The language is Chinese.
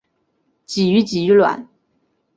鲑鱼鲑鱼卵